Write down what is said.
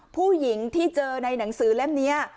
ผู้หญิงที่เจอในหนังสือเล่มนี้